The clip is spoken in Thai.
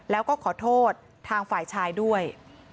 แล้วก็ขอโทษทางฝ่ายชายด้วย